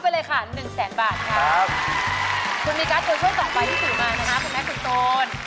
คุณมีการตัวช่วยต่อไปที่สุดมานะคะคุณแม็กคุณตูน